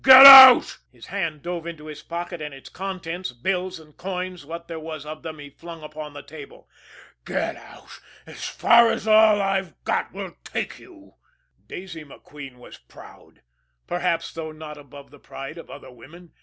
Get out!" His hand dove into his pocket, and its contents, bills and coins, what there was of them, he flung upon the table. "Get out as far as all I've got will take you!" Daisy MacQueen was proud perhaps, though, not above the pride of other women.